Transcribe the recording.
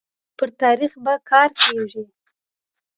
پر تاريخ به کار کيږي